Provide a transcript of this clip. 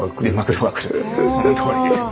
そのとおりです。